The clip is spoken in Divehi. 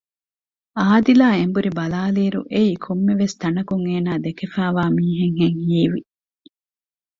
އާދިލާ އެނބުރި ބަލާލިއިރު އެއީ ކޮންމެވެސް ތަނަކުން އޭނާ ދެކެފައިވާ މީހެއްހެން ހީވި